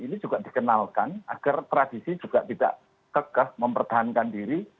ini juga dikenalkan agar tradisi juga tidak kegah mempertahankan diri